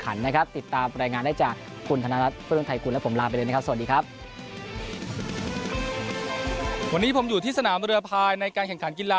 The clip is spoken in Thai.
การใช้ภาพจากกล้องมาช่วยในการตัดศีล